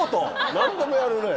何でもやるね。